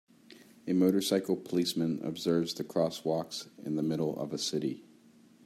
A motorcycle policeman observes the crosswalks in the middle of a city.